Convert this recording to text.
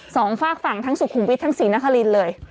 สองฝากฝั่งทั้งสุขุมวิชทั้งสถานละครินเลย